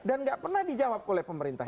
dan nggak pernah dijawab oleh pemerintah